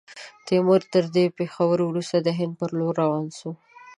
تیمور، تر دې پیښو وروسته، د هند پر لور روان سو.